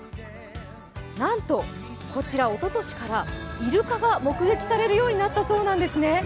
なんと、こちらおととしからいるかが目撃されるようになったそうなんですね。